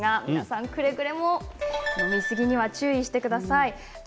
くれぐれも飲みすぎには注意してください。